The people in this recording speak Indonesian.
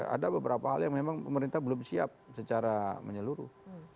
ada beberapa hal yang memang pemerintah belum siap secara menyeluruh